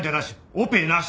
オペなし。